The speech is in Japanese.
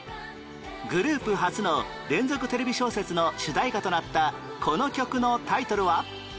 グループ初の連続テレビ小説の主題歌となったこの曲のタイトルは？